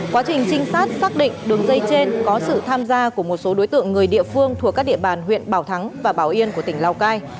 quá trình trinh sát xác định đường dây trên có sự tham gia của một số đối tượng người địa phương thuộc các địa bàn huyện bảo thắng và bảo yên của tỉnh lào cai